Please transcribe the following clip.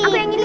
aku yang ini